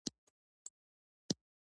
تاریخ بیا تکرارېده خو په ډېر منحرف شکل.